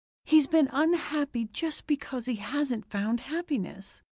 He's been unhappy just because he hadn't found happiness.